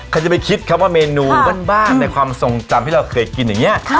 ใครจะไปคิดครับว่าเมนูบ้านในความทรงจำที่เราเคยกินอย่างนี้